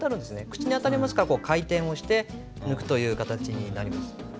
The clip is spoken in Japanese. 口にあたりますからこう回転をして抜くという形になります。